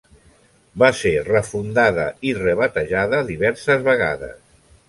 Va ser refundada i rebatejada diverses vegades.